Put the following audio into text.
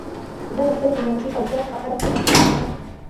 زه د خپلې انرژۍ او ځواک په اړه فکر کوم.